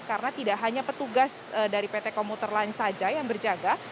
karena tidak hanya petugas dari pt komuter lansajai yang berjaga